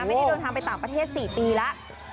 ไม่ได้เดินทางไปต่างประเทศ๔ปีแล้ว